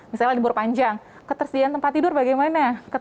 misalnya libur panjang ketersediaan tempat tidur bagaimana